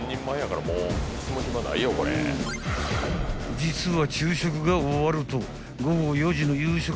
［実は］